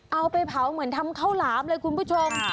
เอาไปเผาเหมือนทำข้าวหลามเลยคุณผู้ชม